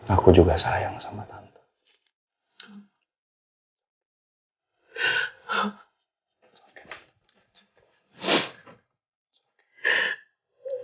aku juga sayang sama tante